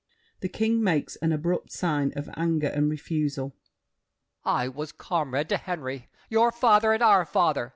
[The King makes an abrupt sign of anger and refusal. I was comrade to Henry! Your father and our father!